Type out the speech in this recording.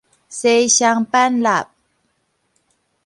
西雙版納